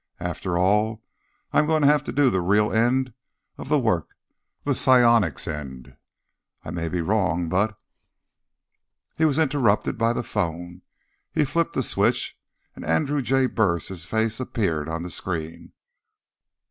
After all, I'm going to have to do the real end of the work, the psionics end. I may be wrong, but—" He was interrupted by the phone. He flicked the switch and Andrew J. Burris' face appeared on the screen.